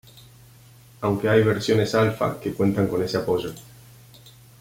Aunque hay versiones alpha que cuentan con ese apoyo.